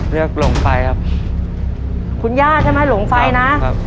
หลงไฟครับคุณย่าใช่ไหมหลงไฟนะครับ